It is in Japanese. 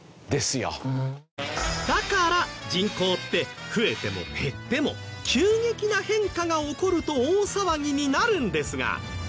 だから人口って増えても減っても急激な変化が起こると大騒ぎになるんですが。